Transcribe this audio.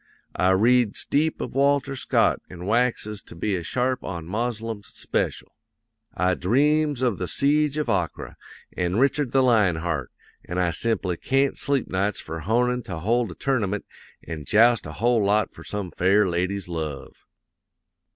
I reads deep of Walter Scott an' waxes to be a sharp on Moslems speshul. I dreams of the Siege of Acre, an' Richard the Lion Heart; an' I simply can't sleep nights for honin' to hold a tournament an' joust a whole lot for some fair lady's love.